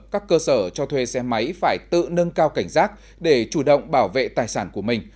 các cơ sở cho thuê xe máy phải tự nâng cao cảnh giác để chủ động bảo vệ tài sản của mình